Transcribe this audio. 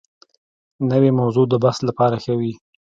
نوې موضوع د بحث لپاره ښه وي